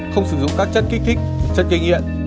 không sử dụng các chất kích thích chất kinh nghiệm